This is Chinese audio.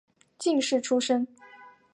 进士出身。